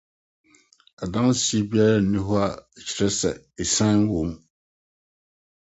Adanse biara nni hɔ a ɛkyerɛ sɛ asiane wom.